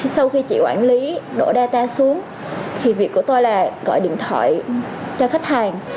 sau khi chị quản lý đổ data xuống thì việc của tôi là gọi điện thoại cho khách hàng